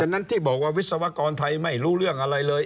นั้นที่บอกว่าวิศวกรไทยไม่รู้เรื่องอะไรเลย